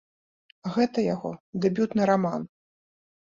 Гэта яго дэбютны раман.